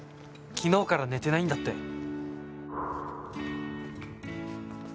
昨日から寝てないんだって。